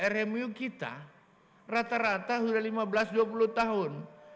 rmu kita rata rata sudah lima belas dua puluh tahun